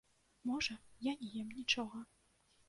Можа, я не ем нічога!